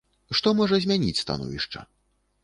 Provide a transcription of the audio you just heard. Што можа змяніць становішча?